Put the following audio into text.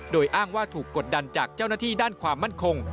โดยอ้างว่าถูกกดดันจากเจ้าหน้าที่ด้านความมั่นคง